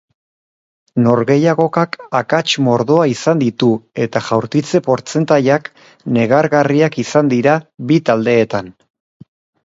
Norgehiagokak akats mordoa izan ditu eta jaurtitze portzentaiak negargarriak izan dira bi taldeetan.